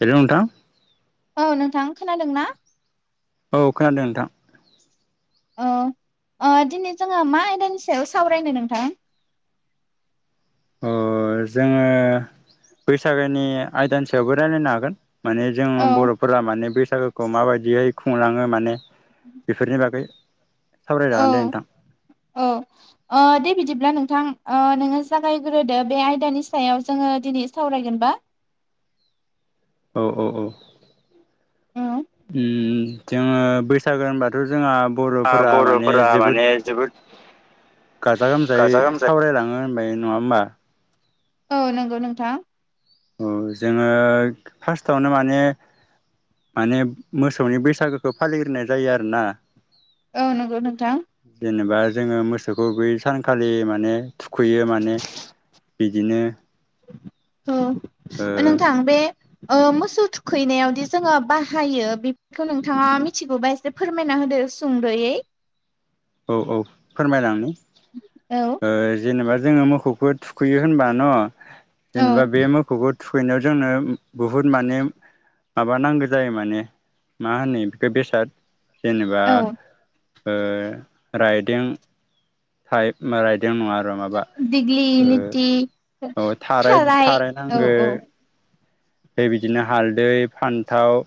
Hello नोंथां। औ नोंथां खोनादों ना? औ खोनादों नोंथां। औ ओ दिनै जोङो मा आयदानि सायाव सावरायनो नोंथां? अ जोङो बैसागोनि आयदानि सायावबो रायलायनो हागोन। माने जों औ बर'फोरा माने बैसागोखौ माबायदियै खुंलाङो माने‌। बेफोरनि बागै औ सावरायजागोन दे नोंथां। औ ओ दे बिदिब्ला नोंथां, ओ नोङो जागायग्रोदो बे आयदानि सायाव जोङो दिनै सावरायगोन। बा औ औ औ ओम औ जोङो बैसागो होनबाथ'। जोंहा आ बर'फोरा माने बर'फोरा जोबोद। माने जोबोद गाजा गोमजायै सावरायलाङो होनबाय नङा होमबा? औ नोंगौ नोंथां। औ जोङो फार्स्टआवनो माने माने मोसौनि बैसागोखौ फालिग्रोनाय जायो आरोना। औ नोंगौ नोंथां। जेनेबा जोङो मोसौखौ बै सानखालि माने थुखैयो माने बिदिनो ओ औ नोंथां बे ओ मोसौ थुखैनायावदि जोङो बाहायो बेफोरखौ नोंथाङा मिथिगौबा एसे फोरमायना होदो सुंदयै औ औ फोरमायलांनि औ ओ जेनेबा जोङो मोखौखौ थुखैयो होनबा न', जेनेबा औ बे मोखौखौ थुखैनायाव जोंनो बुहुद माने माबा नांगो जायो। माने मा होनो बेखौ बेसाद- जेनेबा औ ओ राइदें, थाइप राइद- बिदों नङा आरो माबा‌ दिग्लि ओ लिथि औ थाराय थाराय औ नांगो। ओय बिदिनो हालदै, फान्थाव,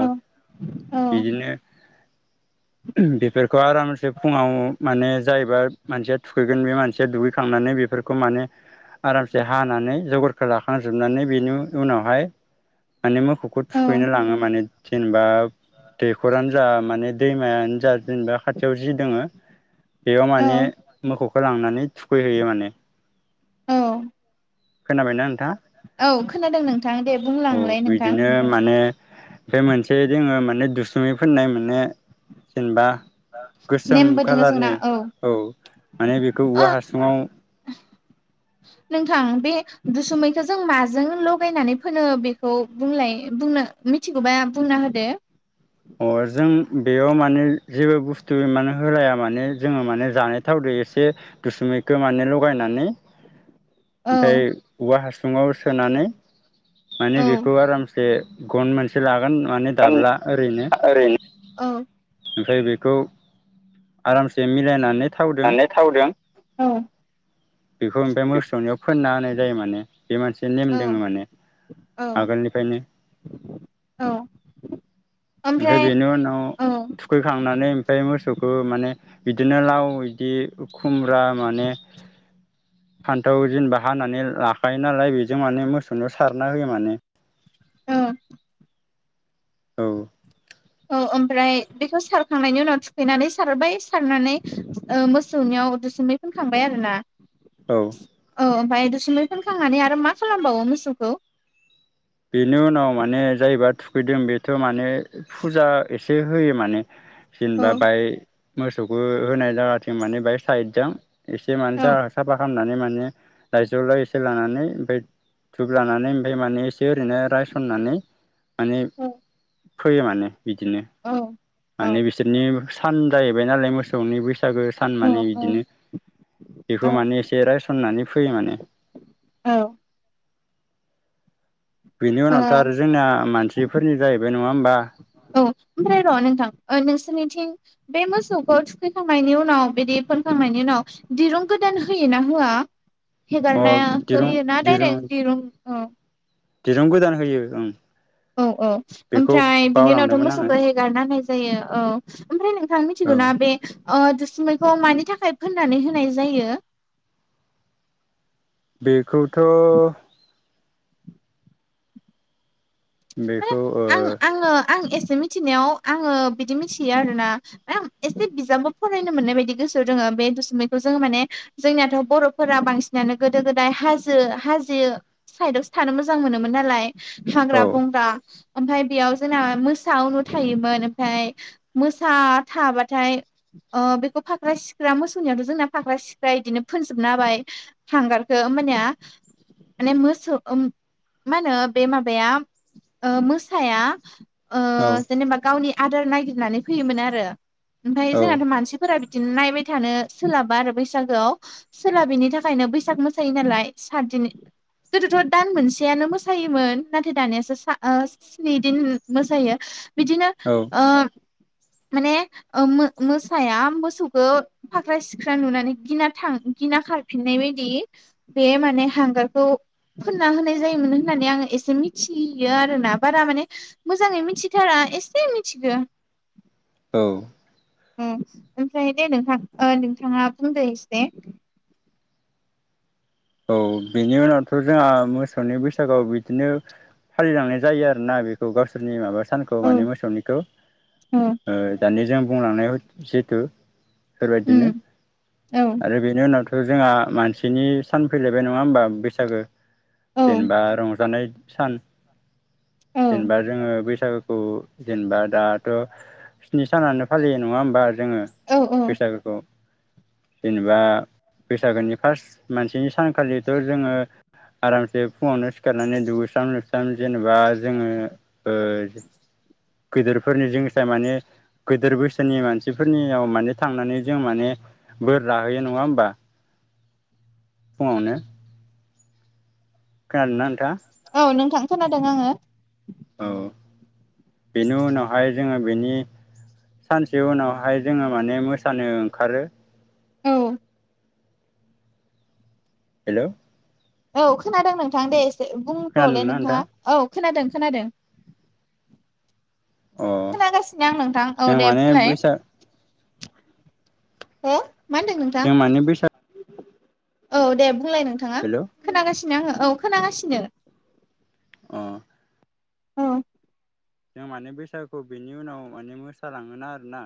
औ औ ओम बेफोरखौ आरामसे फुङाव माने जायबा मानसिया थुखैगोन बे मानसिया दुगै खांनानै बेफोरखौ माने आरामसे हानानै जगोरखो लाखां जोबनानै बेनि उनावहाय माने मोखौखौ औ थुखैनो लाङो माने जेनेबा दैखरानो जा, माने दैमायानो जा, जेनेबा खाथियाव जि दोङो बेयाव माने औ मोखौखौ लांनानै थुखैहैयो माने। औ खोनाबायना नों औ खोनादों नोंथां दे बुंलां लाय नोंथां। ओमफ्राय मोनसे जोङो माने दुसुमैफोननाय माने जेनेबा गोसोम नेमबो दोङो जोंना कालारनि औ माने बेखौ ओ औवा हासुङाव [inaudible] नोंथां बे दुसुमैखौ जों माजों लगायनानै फोनो बेखौ बुंलाय बुंना ओ मिथिगौबा बुंना होदो। अ जों बेयाव माने जेबो बुस्थु माने होलाया माने जोङो माने जानाय थावदो एसे दुसुमैखौ माने लगायनानै औ ओमफ्राय औवा हासुङाव सोनानै माने औ बेखौ आरामसे जे गन मोनसे लागोन माने दाब्ला ओरैनो। आं ओरैनो औ ओमफ्राय बेखौ आरामसे मिलायनानै थावदों थावदों औ बेखौ ओमफ्राय मोसौवनिआव फोनना होनाय जायो माने बे मोनसे नेम औ दोङो माने। औ आगोलनिफ्रायनो औ ओमफाय ओमफ्राय बेनि उनाव औ थुखैखांनानै ओमफाय मोसौखौ माने बिदिनो लाव, बिदि खुमब्रा, माने फान्थाव जेनेबा हानानै लाखायो नालाय बेजों माने मोसौनिआव सारना होयो माने। औ औ औ ओमफ्राय बेखौ सारखांनायनि उनाव थुखैनानै सारबाय सारनानै ओ मोसौनियाव औ दुसुमै फोनखांबाय आरो ना। औ औ ओमफ्राय दुसुमै फोनखांनानै आरो मा खालामबावो मोसौखौ? बेनि उनाव माने जायबा थु फैदों बेथ' माने फुजा एसे होयो माने औ जेनेबा बाय मोसौखौ होनाय जागाथिं माने बे साइदजों एसे माने औ जा साफा खालामनानै माने लाइज्रलाय एसे लानानै ओमफ्राय धुब लानानै ओमफ्राय माने एसे ओरैनो रायसननानै माने औ फैयो माने बिदिनो औ औ माने बिसोरनि सान जाहैबाय नालाय मोसौनि बैसागो सान औ माने बिदिनो औ बेखौ माने एसे रायसननानै फैयो माने औ बिनि औ उनावथ आरो जोंना मानसिफोरनि जाहैबाय नङा होमबा औ ओमफ्राय र नोंथां नोंसोरनिथिं बे मोसौखौ थुखैखांनायनि उनाव बिदि फोनखांनायनि उनाव दिरुं गोदान होयोना होआ अ हेगारनाया दिरुं होयोना डायरेक दिरुं दिरुं गोदान होयो ओं औ औ बेखौ ओमफ्राय बिनि उनावथ बावलांदोंमोन आङो मोसौखौ हेगारना होनाय जायो औ ओमफ्राय न थां औ मोनथिगौ ना बे दुसुमैखौ मानि थाखाय फोननानै होनाय जायो। बेखौथ माने बेखौ आं ओ आङो आं एसे एसे मिथिनायाव आङो बिदि मिथियो आरो ना एसे बिजाबबो फरायनो मोननाय बायदि गोसो दोङो बे दुसुमैखौ जोङो माने जोंनियाथ बरफोरा बांसिनानो गोदो गोदाय हाजो हाजो साइदआवसो थानो मोजां मोनोमोन नालाय औ हाग्रा मफ्राय बेयाव जोंना मोसा उनु थायोमोन मफ्राय मोसा थाबाथाय बेखौ फ्रा सिख्रा मोसौनिया जोंनिया फाख्रा सिख्रा फजोबना होबाय हांगारखौ मानि माने मोसौ मा होनो बे माबाया ओ मोसाया औ जेनेबा गावनि आदार नागिरनानै फैयोमोन आरो। ओमफ्राय औ जोंनाथ मानसिफोरा बि बिदिनो नायबाय थानो सोलाबा आरो बैसागोआव सोलाबैनि थाखायनो बैसाग मोसायो नालाय सा गोदोथदान मोनसेयानो मोसायोमोन नाथाय दानिया स्निदिन मोसायो बिदिनो औ ओ माने मोसाया मोसौखौ फाख्रा सिख्रा नुनानै गिना थां गिना खारफिननाय बायदि बे माने हांगारखौ फोनना होनाय जायोमोन होननानै आङो एसे मिथि मिथियो आरो ना बारा माने मोजाङै मिथिथारा एसे मिथिगौ। औ ओमफ्राय दे नोंथां नोंथाङा बुंदो एसे। औ बेनि उनावथ जोंहा मोसौनि बैसागोआव बिदिनो फालिलांनाय जायो आरोना बेखौ गावसोरनि माबा सानखौ औ माने मोसौनिखौ औ दानि जों बुंलांनाय जिहेथु बेबायदिनो उम औ आरो बेनि उनावथ जोंहा मानसिनि सान फैलायबाय नङा होमबा बैसागो औ जेनबा रंजानाय सान औ जेनेबा जोङो बैसागोखौ जेनेबा दाथ' स्नि सानानो फालियो नङा होमबा जोङो औ औ बैसागुखौ। जेनेबा बैसागोनि फार्स्ट मानसिनि सानखालिथ जोङो आरामसे फुङावनो सिखारनानै दुोस्रां लोबस्रां जे जेनेबा ओ जोङो गिदिरफोरनि जिंसा माने गोदोर बैसोनि मानसिफोरनियाव माने थांनानै जों माने बोर लाहैयो नङा होमबा फुङानो। खोनादों ना नोंथाङा? औ नोंथां खोनादों आङो। औ बेनि उनावहाय जोङो बेनि सानसे उनावहाय जोङो माने मोसानो ओंखारो। औ। हेल'। औ खोनादों नोंथां दे एसे बुंबावलै खोनादोंना नोंथां नोंथाङा औ' खोनादों खोनादों। अ खोनागासिनो आं नोंथां औ जों दे माने बुंगलाय। बैसाग हो मा होनदों नोंथां जों माने बैसाग औ दे बुंलाय नोंथाङा हेल' खोनागासिनो आङो औ खोनागासिनो। अ औ। जों माने बैसागु बिनि उनाव माने मोसालाङोना आरोना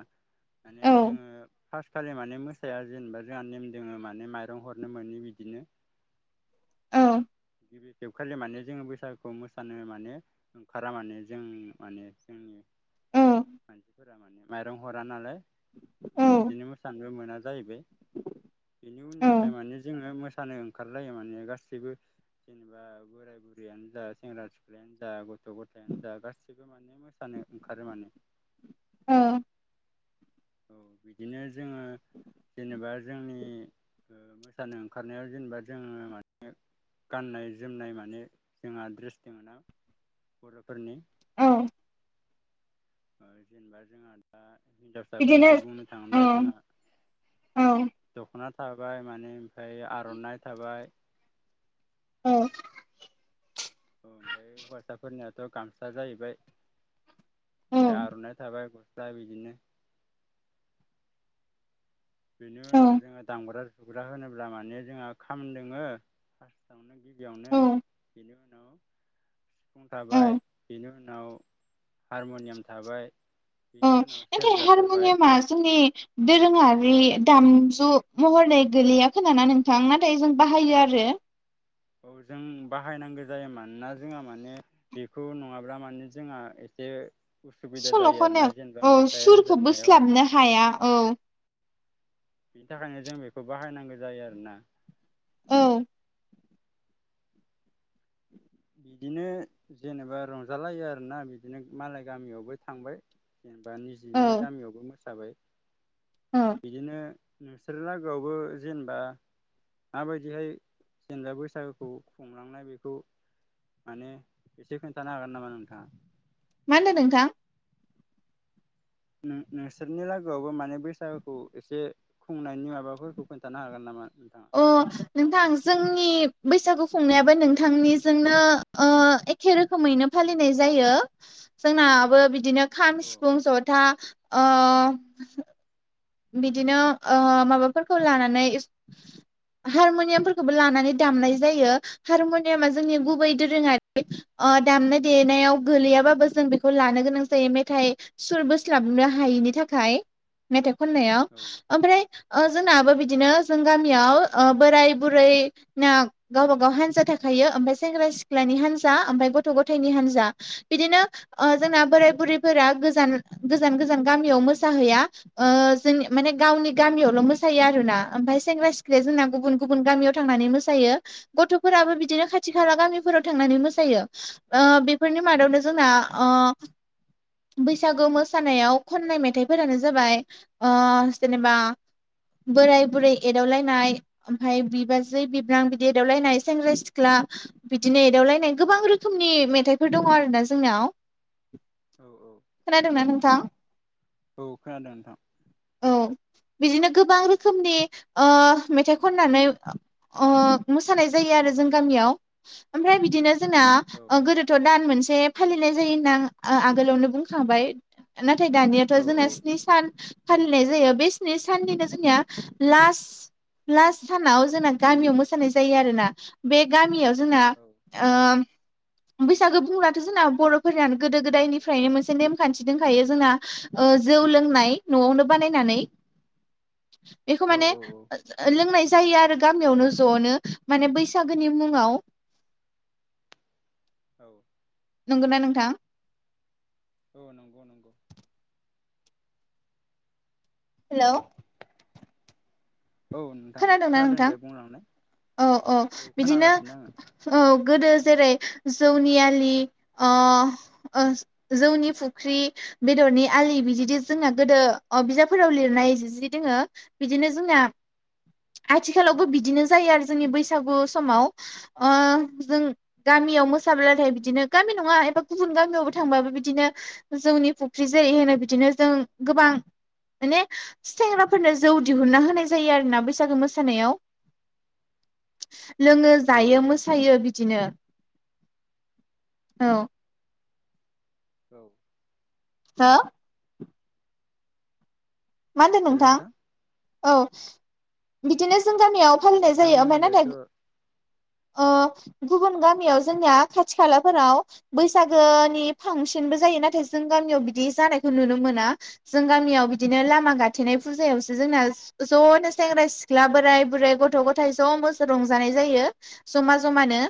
माने औ जोङो फास खालि माने मोसाया जेनेबा जोंहा नेम दोङो माने माइरं हरनो मोनो बिदिनो औ गिबि खेबखालि माने जोङो बैसागुखौ मोसानो माने ओंखारा माने जों माने जोंनि औ मानसिफोरा माने माइरं हरा नालाय औ बिदिनो मोसानोबो मोना जाहैबाय बेनि औ उननिफ्राय माने जोङो मोसानो ओंखारलायो माने गासैबो। जेनेबा बोराय बुरियानो जा सेंग्रा सिख्लायानो जा गथ' गथ' गथायानो जा गाससिबो माने मोसानो ओंखारो माने। औ औ बिदिनो जोङो जेनेबा जोंनि मोसानो ओंखारनायाव जेनेबा जोङो माने गाननाय जोमनाय माने जोंहा द्रेस दङ ना बर'फोरनि औ जेनेबा जोंहा दा बिदिनो हिनजावसाफोरनिखौ बुंनो औ थाङोब्ला जोंहा औ दख'ना थाबाय माने ओमफ्राय आर'नाइ थाबाय औ औ ओमफ्राय हौवासाफोरनियाथ' गामसा जाहैबाय ओमफ्राय आर'नाइ थाबाय दा बिदिनो बेनि औ उनाव जोङो दामग्रा सुग्रा होनोब्ला माने जोंहा खामदोङो फार्स्टआवनो गिबियावनो औ बिनिउनाव सिफुं औ थाबाय बेनि उनाव हारम'नियाम थाबाय। आ बेनि उनाव नाथाय सेरजा थाबाय हारमुनियामा जोंनि दोरोङा रि दामजु महरै गोलैय खोनाना नोंथां नाथाय जों बाहायो आरो औ जों बाहायनांगौ जायो मानोना जोंहा माने बेखौ नङाब्ला माने जोंहा एसे उसुबिदा जायो आरोना जेनेबा सल'खननायाव औ मेथाइ सुरखौ रोजाबनायाव बोस्लाबनो औ हाया औ बिनि थाखायनो जों बेखौ बाहायनांगौ जायो आरोना औ बिदिनो जेनेबा रंजालायो आरोना बिदिनो मालाय गामियावबो थांबाय। जेनेबा निजिनि औ गामियावबो मोसाबाय। औ बिदिनो नोंसोर लागोआवबो जेनेबा माबायदिहाय जेनबा बैसागुखौ खुंलांनाय बेखौ माने एसे खोनथानो हागोन नामा नोंथाङा मा होनदों नोंथा? नों-नोंसोरनि लोगोआवबो माने बैसागुखौ एसे खुंनायनि माबाफोरखौ खोन्थानो हागोन नामा? नोंथाङा अ नोंथां जोंनि बैसागु खुंनायाबो नोंथांनिजोंनो ओ एखे रोखोमैनो फालिनाय जायो। जोंनाबो बिदिनो खाम औ सिफुं जथा ओ बिदिनो ओ माबाफोरखौ लानानै हारमुनियामफोरखौबो लानानै दामनाय जायो हारमुनियामा जोंनि गुबै दोरोङारि ओ दामनाय देनायाव गोलैयाबाबो जों बेखौ लानो गोनां जायो मेथाइ सुर बोस्लाबनो हायि नि थाखाय मेथाय खननायाव औ ओमफ्राय ओ औ जोंनाबो बिदिनो जों गामियाव बोराय बुरै ना गावबा गाव हान्जा थाखायो मफ्राय सेंग्रा सिख्लानि हा हानजा ओमफाय गथ' गथाइनि हानजा बिदिनो ओ जोंना बोराय बुरिफोरा गोजान गोजान गोजान गोजान गामियाव मोसाहैया ओ जों माने गावनि गामियावल मोसायो आरोना ओमफ्राय सेंग्रा सिख्लाया जोंना गुबुन गुबुन गामियाव थांना नै मोसायो गथ'फोराबो बिदिनो खाथि औ खाला गामिफोराव थांनानै मोसायो ओ बेफोरनि मादावनो जोंना ओ बैसागो मोसानायाव खननाय मेथाइफोरानो जाबाय ओ जेनेबा बोराय बुरै एदावलायनाय ओमफ्राय बिबाजै बिब्रां बिदि एदावलायनाय सेंग्रा सिख्ला बिदिनो एदावलायनाय गोबां रोखोमनि मेथाइफोर दङ आरोोना जोंनाव औ औ खोना दोंना नोंथां औ खोनादों नोंथां औ बिदिनो गोबां रोखोमनि मेथाइ खननानै अ मोसानाय जायो आरो जों गामियाव ओमफ्राय बिदिनो जोंना औ गोदोथ दान मोनसे फालिनाय जायो होनना आ आगोलावनो बुंखांबाय न थाय दानियाथ औ जोंना स्नि सान फालिनाय जायो बेसिनि सानदिनो जोंनिया लास लास्ट सानाव जोंना गामियाव मोसानाय जायो आरोना बे गामियाव जोंना औ ओ बैसागो बुब्लाथ जोंना बर'फोरानो गोदो गोदायनिफ्रायनो मोनसे नेमखान्थि दंखायो जोंना जौ लनाय नवावनो बनायनानै [inaudible] एखौ माने औ ओ लोंनाय जायो आरो गामियावनो जनो माने बैसागोनि मुङाव औ नंगौना नोंथां? औ नंगौ नंगौ हेल औ नोंथां खोनादोंना खोनादों नोंथां दे बुंलांलाय औ औ बिदिनो औ गोदो जेरै जौनि आलि ओ जौनि फुख्रि बेदरनि आलि बिदि जोंना गोदो अ बिजाबफोराव लिरनाय जि दोङो बिदिनो जोंना [inaudible] आथिखालावबो बिदिनो जायो आरो जोंनि बैसागु समाव ओ जों गामियाव मो साबलाथाय बिदिनो गामि नङा एबा गुबुन गामियावबो थांबाबो बिदिनो जौनि फुख्रि जेरै होनो बिदिनो ज गोबां मान सेंग्राफोरनो जौ दिहुनना होनाय जायो आरोना बैसागो मोसानायाव लोङ जायो औ मोसायो बिदिनो [inaudible] औ औ हो? मा होनदों नोंथां औ बिदिनो जों गामियाव अ फालिनाय जायो ओमफ्राय नाथाय नोंथांमोननोथ' गुबुन गामियाव जोंनिया खाथि खालाफोराव बैसागोनि फांसनबो जायो नाथाय जों गामि गामियाव बिदि जानायखौ नुनो मोना जों गामियाव बिदि बिदिनो लामा गाथेनाय फुजायावसो जोंना ज'नो सेंग्रा सिख्ला बोराय बुराय गथ गथाय ज [unintelligible] रंजानाय जायो जमा जमानो